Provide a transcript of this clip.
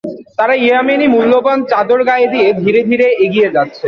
তারা ইয়ামেনী মূল্যবান চাদর গায়ে দিয়ে ধীরে ধীরে এগিয়ে যাচ্ছে।